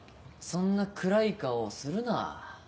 そんな暗い顔をするな。